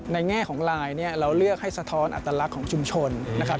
แง่ของลายเนี่ยเราเลือกให้สะท้อนอัตลักษณ์ของชุมชนนะครับ